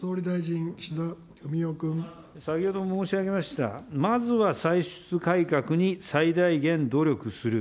先ほども申し上げました、まずは歳出改革に最大限努力する。